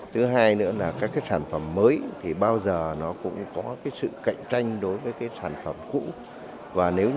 thứ hai nữa là các cái sản phẩm mới thì bao giờ nó cũng có cái sự cạnh tranh đối với cái sản phẩm cũ